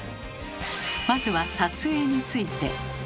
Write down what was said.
まずは「撮影」について。